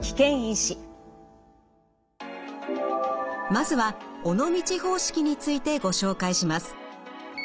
まずは尾道方式についてご紹介します。